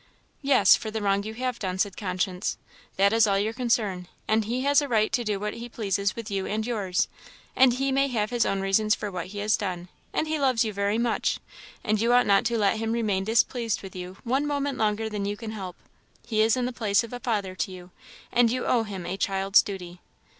"Yes, for the wrong you have done," said conscience, "that is all your concern. And he has a right to do what he pleases with you and yours, and he may have his own reasons for what he has done; and he loves you very much, and you ought not to let him remain displeased with you one moment longer than you can help; he is in the place of a father to you, and you owe him a child's duty."